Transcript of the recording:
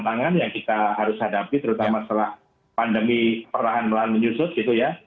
tantangan yang kita harus hadapi terutama setelah pandemi perlahan lahan menyusut gitu ya